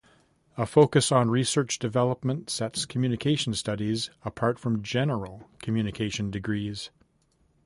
A focus on research development sets communication studies apart from general communication degrees.